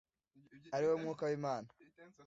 ari we Mwuka w’Imana.